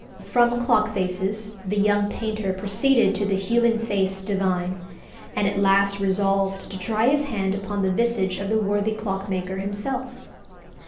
From clock faces the young painter proceeded to the human face divine, and at last resolved to try his hand upon the visage of the worthy clockmaker himself.